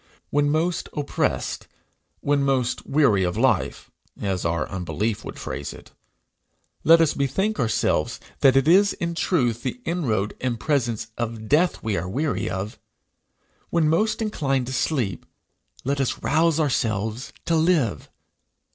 When most oppressed, when most weary of life, as our unbelief would phrase it, let us bethink ourselves that it is in truth the inroad and presence of death we are weary of. When most inclined to sleep, let us rouse ourselves to live.